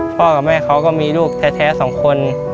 พ่อกับแม่เขาก็มีลูกแท้สองคน